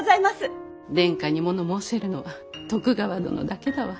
殿下にもの申せるのは徳川殿だけだわ。